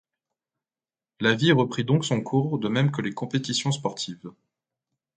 La vie reprit donc son cours de même que les compétitions sportives.